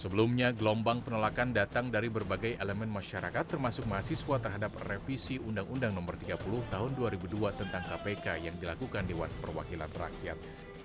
sebelumnya gelombang penolakan datang dari berbagai elemen masyarakat termasuk mahasiswa terhadap revisi undang undang no tiga puluh tahun dua ribu dua tentang kpk yang dilakukan dewan perwakilan rakyat